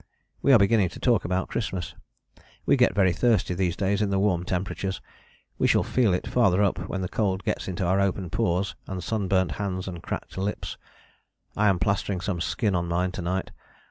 We are beginning to talk about Christmas. We get very thirsty these days in the warm temperatures: we shall feel it farther up when the cold gets into our open pores and sunburnt hands and cracked lips. I am plastering some skin on mine to night.